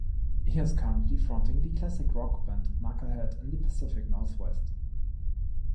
He is currently fronting the classic rock band Knucklehead in the Pacific Northwest.